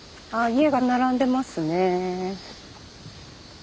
家が並んでますね。